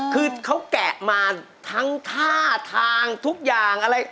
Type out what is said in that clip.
คือเขาแกะมาทั้งท่าทางทุกอย่างอะไร